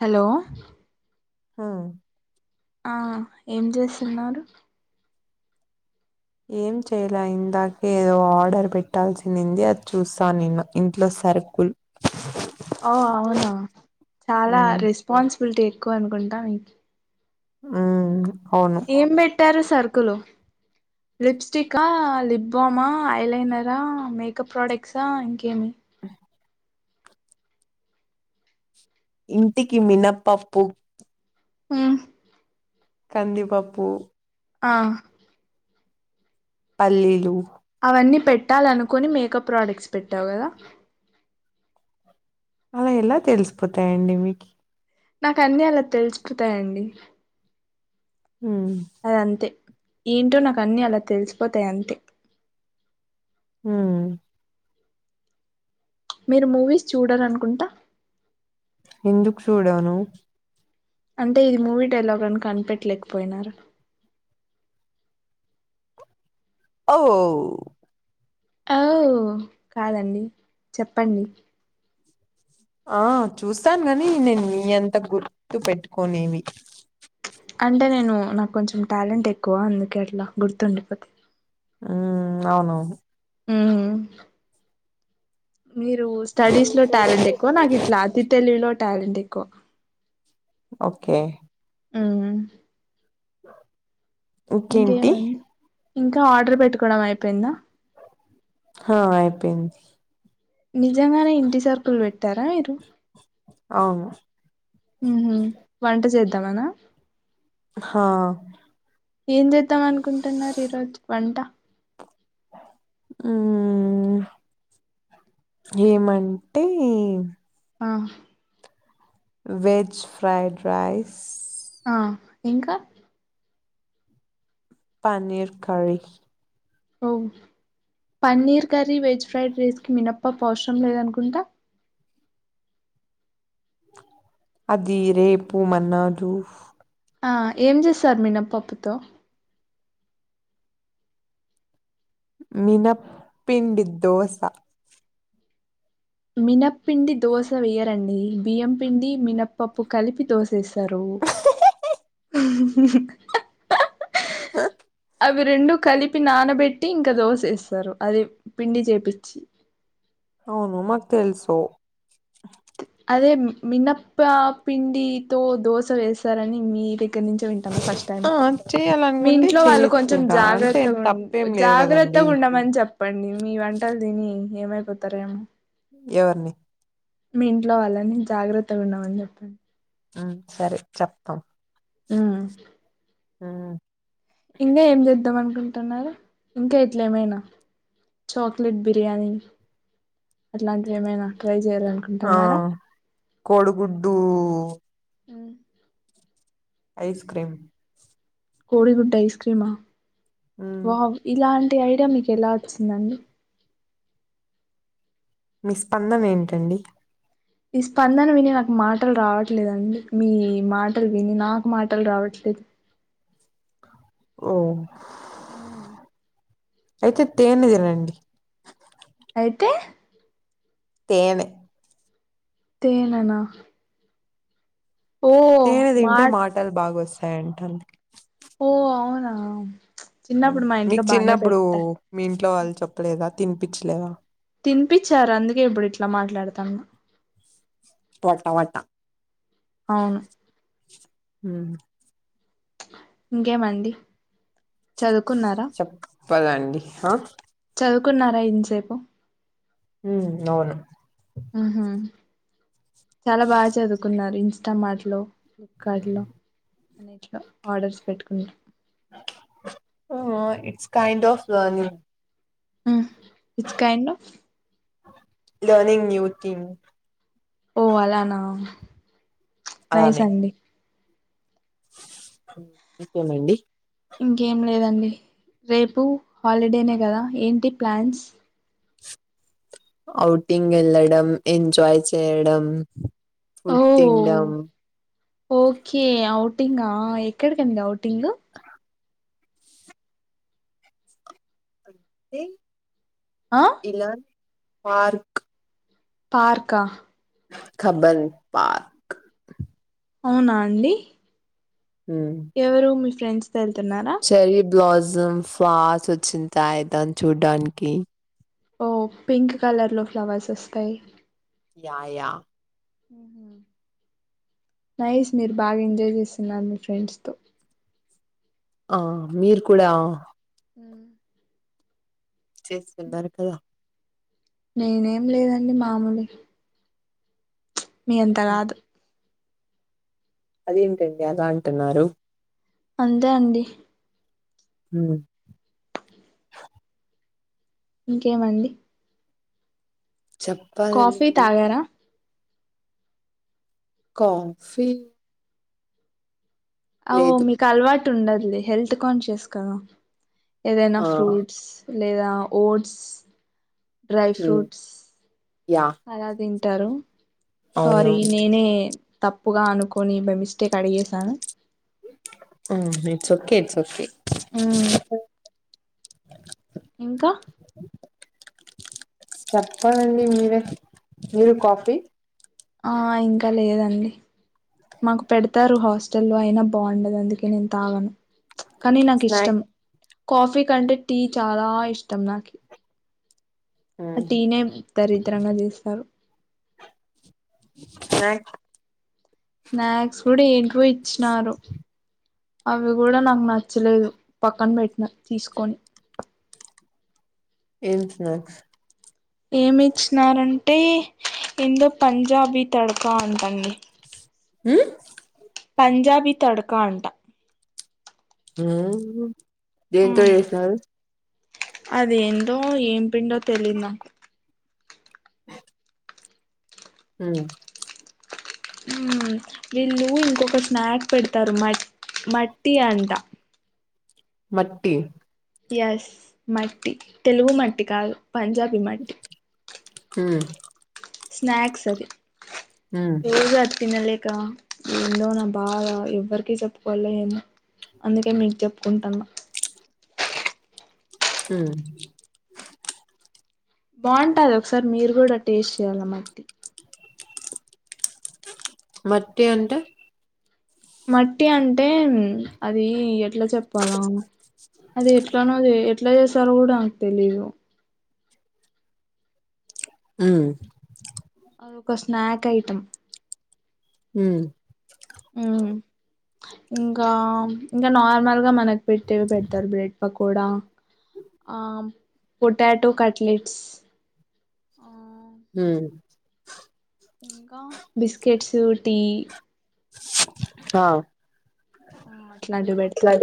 Hello హ్మ్ ఆ ఏం చేస్తున్నారు ఏం చేయలే ఇందాక ఏదో ఆర్డర్ పెట్టాల్సింది అది చూస్తాను నిన్న ఇంట్లో సరుకుల్ ఓ అవునా చాలా ఉమ్ రెస్పాన్స్ బుల్టీ ఎక్కువ అనుకుంటా మీకి ఆ ఏం బెట్ ట్టారు సరుకులు? లిప్స్టిక్క, లిప్ బామా, ఐలైనరా, మేకప్ ప్రోడక్ట్సా ఇంకేమి ఇంటికి మినప్పప్పు ఉ కందిపప్పు ఆ పల్లీలు అవన్నీ పెట్టాలనుకుని మేకప్ ప్రోడక్ట్స్ పెట్టావు కదా. అల ఎలా తెలిసిపోతాయండి మీకి? నాకన్నీ అలా తెలుసిపోతాయండి. ఊ ఏంటో నాకన్ని అలా తెలిసిపోతాయి అంతే ఉ మీరు మూవీస్ చూడరనుకుంటా ఎందుకు చూడను? అంటె ఇది మూవీ డైలాగ్ అని కనిపెట్టలేకపోయినారు. ఓ ఓ కాదండి చెప్పండి ఆ చూస్తాను గాని నేను నీ అంత గుర్తు పెట్టుకోనేవి. అంటే నేను నాకు కొంచెం టాలెంట్ ఎక్కువ అందుకే అట్లా గుర్తుండిపోతాయ్. ఉ అవునవును ఊ మీరు స్టడీస్ లో టాలెంట్ ఎక్కువ నాకు ఇట్లా అతి తెలివిలో టాలెంట్ ఎక్కువ. ఓకె ఉమ్మ్ ఆ ఇంకేమండి ఇంకా ఆర్డర్ పెట్టుకోవడం అయిపోయిందా? హా అయిపోయింది. నిజంగానే ఇంటి సర్కుల్ బెట్ టార మీరు? అవును మ్మ్ వంట చేద్ త్తమనా హా ఏం చేద్దాం అనుకుంటన్నారు ఈరోజు వంట ఉమ్ ఏమంటే ఆ వెజ్ ఫ్రయిడ్ రైస్ ఆ ఇంకా పనీర్ కర్రీ ఓ పన్నీర్ కర్రీ వెజ్ ఫ్రైడ్ రైస్కి మినపప్పు అవసరం లేదనుకుంటా అదిీ రే పూ మన్నాడూ ఆ ఏం చేస్తారు మినప్పప్పుతో మినప్పిండి దోస మినపిిండి దోశ వేయ్యరండి బియ్యం పిండి మినప్పప్పు కలిపి దోశ వేస్తారు హ అవి రెండు కలిపి నానబెట్టి ఇంకా దోసేస్తారు అది పిండి చేపిచ్చి అవును మాకు తెల్సు అదే మినప్ప పిండితో దోశ వేస్తారని మీ దగ్గర నుంచి వింటాన్న ఫస్ట్ టైం ఆ మీ చేయాలనుకుంటే ఇంట్లో వాళ్ళు చేయొచ్చు కొంచెం దాంట్లో ఏం జాగ్రత్తగా తప్పేం లేదు కదండి జాగ్రత్తగా ఉండమని చెప్పండి మీ వంటలు తిని ఏమైపోతారేమో ఎవరిని మీ ఇంట్లో వాళ్ళని జాగ్రత్తగా ఉండమని చెప్పండి ఆ సరే చెప్తాం మ్ ఉమ్ ఇంకా ఏం చేద్దాం అనుకుంటున్నారు ఇంకా ఎట్ల ఏమైనా చాక్లెట్ బిర్యానీ అట్లాంటివి ఏమైనా ట్రై ఆ చేయాలనుకుంటున్నారా కోడిగుడ్డు ఐస్ క్రీమ్ కోడి గుడ్డు ఐస్ క్రీమా ఉమ్ వావ్ ఇలాన్ టి ఐడియా మీకు ఎలా వచ్చిందండి మీ స్పందన ఏంటండి ఈ స్పందన విని నాకు మాటలు రావట్లేదండి మీ మాటలు విని నాకు మాటలు రావట్లేదు ఓ అ అయితే తేనె తినండి అయితే తేనే తేననా తేనె మా దింటే మాటల్ బాగొస్ట యంటండి ఓ అవునా చిన్నప్పుడు మా ఇంట్లో మీకు బానే చిన్నప్పుడు పెట్ట మీ ఇంట్లో వాళ్ళు చెప్పలేదా తిన్ పిచ్చలేదా తినిపచ్చారు అందుకే ఇప్పుడు ఇట్లా మాట్లాడతాన్న పట వాటా అవును మ్ ఇంకేమండి చదువుకున్నారా చెప్పాలండీ ఆ కున్నారా ఇంతసేపు మ్ అవును ఊహూ చాలా బాగ చదువుకున్నారు ఇంత సే ఇంస్టామార్ట్లో, ఫ్లిప్కార్ట్లో అన్నిట్లో ఆర్డర్స్ పెట్టుకుంటా. ఆ it's kind of learning. It's kind of learning new thing. ఓ అలానా. నైస్ అలానే అండి. ఇంకేమండి. ఇంకేం లేదండి. రేపు హాలిడేనే గదా ఏంటి ప్లాన్స్. ఔటింగ్ ఎళ్ళడం, ఎంజాయ్ చేయడం, ఓ ఫుడ్ తిండం. ఓకే ఔటింగా ఎక్కడికండి ఔటింగు. ఏ ఆ ఇలా పార్క్. పార్కా. ఖబంద్ పార్క్. అవునా అండి. ఎవరూ మీ ఫ్రెండ్స్ వెళ్తున్నారా. బ్లోసమ్ ఫ్లావర్స వచ్చింది దాన్నీ చూడ్డానికి. ఓ పింక్ కలర్ లో ఫ్లవర్స్ వస్తాయి. యా యా నైస్ మీరు బాగ ఎంజాయ్ చేస్తున్నారు మీ ఫ్రెండ్స్ తో. ఆ మీరు కూడా ఊ చేస్తుంటారు కదా నేనేం లేదండి మామూలే. మీ అంత కాదు అదేంటండి అలా అంటున్నారు. అంతే అండి. హ్మ ఇంకేమండి. కాఫీ చెప్పాలండి తాగారా. కాఫీ అఓ లేదు మీక్ అల్వాట్ టు ఉండదు లే హెల్త్ కాన్షియస్ కదా. ఏదైనా ఆ ఫ్రూట్స్. లేదా oats. Dry um, fruits. Yeah అ అదేం ఉంటారు సారీ అవునవును నేనే తప్పుగా అనుకొని బై మిస్టేక్ అడిగేసాను హు it's okay it's okay um, ఇంకా చెప్పాలండి మీరే మీరు కాఫీ ఆ ఇంకా లేదండి మాకు పెడతారు హాస్టల్లో అయినా బాగుండదు అందుకే నేను తాగాను కానీ నాకు స్నాక్ ఇష్టం కాఫీ కంటే టీ చాలా ఇష్టం నాకు అ ఉమ్, టీ నే దరిద్రంగా చేస్తారు స్నాక్ స్నాక్స్ కూడా ఏంటోవో ఇచ్చినారు అవి కూడా నాకు నచ్చలేదు పక్కన పెట్టిన తీసుకొని ఏం స్నాక్స్ ఏమి ఇచ్చినారంటే ఏందో పంజాబీ తడకా అంటండి హు పంజాబి తడకా అంటా హు హు ఆ అదేందో ఏం పిండో తెలియదు నాకు హు హు వీళ్ళు ఇంకొక స్నాక్ పెడతారు మట్ మట్టి అంట మట్టి ఎస్ మట్టి తెలుగు మట్టి కాదు పంజాబీ మట్టి ఉమ్, స్నాక్స్ అది ఉమ్, పేరు అది తినలేం ఇంకా ఏందో నా బాధా ఎవ్వరికి చెప్పుకోలేము అందుకే మీకు చెప్ కుంటన్న హు బాగుంటది ఒకసారి మీరు కూడా టేస్ట్ చేయ్యాల మట్టి మట్టి అంటే మట్టి అంటే అది ఎ ఎట్లా చెప్పాల అది ఎట్లానో అ ఎట్లా చేస్తారో కూడా తెలియదు హు అదొక స్నాక్ ఐటం మ్ ఇంకా ఇంకా నార్మల్గా మనక్ పెట్టే పెడతారు బ్రెడ్ పకో పొడ ఆ పొటాటో కట్లెట్స్ ఆ ఇంకా బిస్కెట్స్, టీ ఆ ఆ అట్లాంటివి పెడ్తారు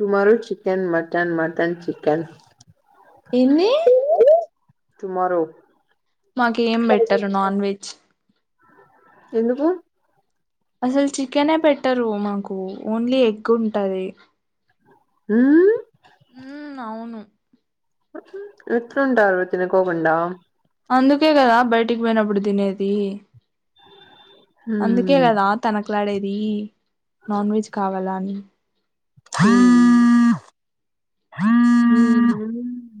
tomorrow chicken, mutton, mutton chicken ఏంది టుమారో మాకేం బెట్టరు నాన్ వెజ్ [inaudible] ఎందుకు అసలు చికెనే పెట్టరు మాకు ఓన్లీ ఎగ్ ఉంటది. మ్ మ్ అవును. ఎట్లుంటారు అవి తినకోకుండా అందుకే కదా బయటికి పోయినప్పుడు తినేది అందుకే మ్మ్. కాదా తన ట్లాడేది నాన్ వెజ్ కావాలా అని [inaudible]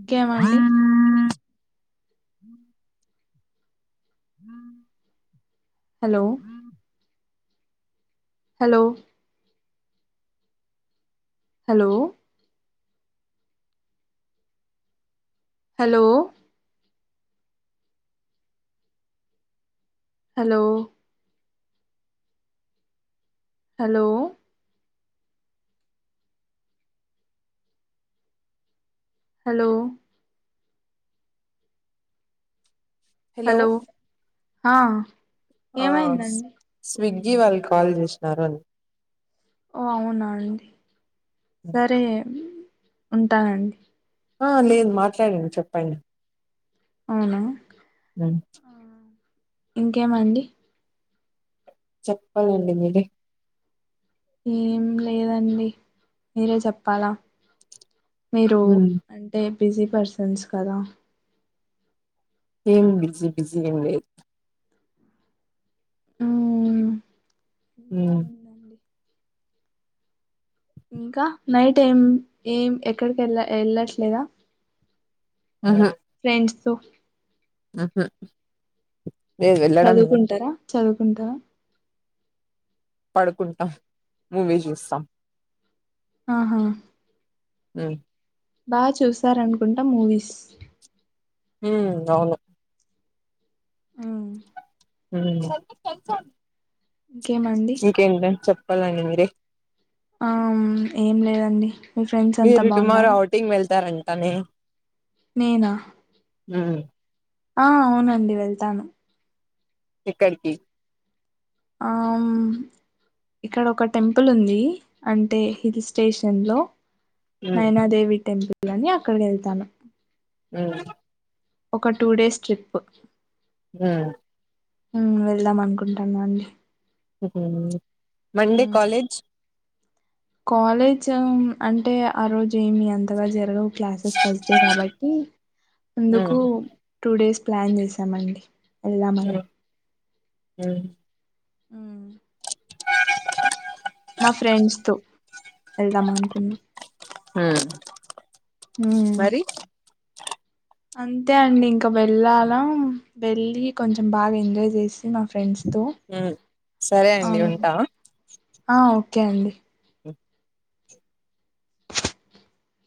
ఇంకేమండి అ హ hello hello hello hello hello hello hello hello హ ఆ ఏమైందండి స్విగ్గీ వాళ్ళు కాల్ చేసినారు అం ఓ అవునా అండి సరే ఉంటానండి. ఆ లేదు మాట్లాడండి చెప్పండి. అవునా దన్ ఇంకేమండి. చెప్పాలండి. మీరే ఏం లేదండి మీరే చెప్పాలా మీరు మ్మ్. అంటే బిజీ పర్సన్స్ కదా ఏం బిజీ బిజి ఏం లేదు. మ్మ్ హ్మ్ ఏముందండి ఇంకా నైట్ ఏం ఏం ఎక్కడికి వెళ్ళ వెళ్ళట్లేదా ఆహా ఫ్రెండ్స్ తో ఆహ లే వెళ్ళడం. లేదు. చదువుకుంటా పడుకుంటాం మూవీ చూస్తాం. ఆహా ఆ బాగా చూసారనుకుంటా మూవీస్ హ్మ్ అవును హ్మ్ హ్మ్ ఇంకేమండి ఇంకేంట చెప్ చెప్పలండి మీరే ఆమ్ ఏం లేదండి. మీ ఫ్రెండ్స్ అంతా మీరు టుమారో బాగున్నారా అవుటింగ్ వెళ్తారా అని నేనా ఆ అవునండి. వెళ్తాను ఏక్కడికి ఆమ్ ఇక్కడ ఒక టెంపుల్ ఉంది. అంటే ఇది స్టేషన్ లో మ్మ్ నయనా దేవి టెంపుల్ ని అక్కడికి వెళ్తాను. హ్మ్ ఒక టూ డేస్ ట్రిప్పు హ్మ్ వెళ్దాం అనుకుంటాన్నా అండి. [unintelligible] మండే ఉమ్ కాలేజ్ కాలేజ్ అంటే ఆ రోజు ఏమి ఎంతగా జరగవ్ క్లాసెస్ ఫస్ట్ డే కాబట్టి మ్మ్ ముందుకు టూ డేస్ ప్లాన్ చేసామండి. ఏళ్ళమని అ హ్మ్ మా ఫ్రెండ్స్ తో వెళ్దాం అనుకున్నా హ ఉమ్ మరి అంతే అండి ఇంకా వెళ్ళాల వెళ్లిి కొంచెం బాగా ఎంజాయ్ చేసి నా ఫ్రెండ్స్ తో మ్మ్ సరే ఆ అండి ఉంటా ఆ ఓకే ఓకే అండి ఓ